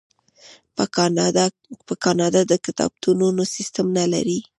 آیا کاناډا د کتابتونونو سیستم نلري؟